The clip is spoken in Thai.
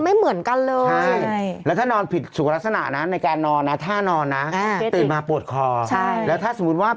ใช่มันยากนะหาหมอนที่นอนแล้วสบาย